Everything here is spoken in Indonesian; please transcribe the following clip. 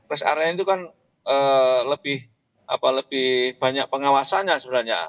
rest area itu kan lebih banyak pengawasannya sebenarnya